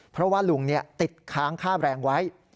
เพราะว่าลุงติดค้างค่าแรงไว้